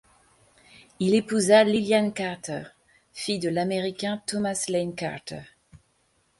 Il épousa Lilian Carter, fille de l'américain Thomas Lane Carter.